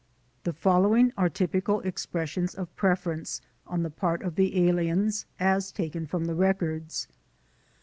The following are typical expressions of preference, on the part of the aliens, as taken from the records.